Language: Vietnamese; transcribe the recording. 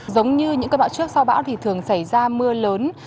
giống như những cơn bão trước sau bão thì thường xảy ra mưa lớn